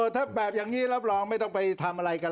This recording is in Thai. ถ้าแบบอย่างนี้รับรองไม่ต้องไปทำอะไรกัน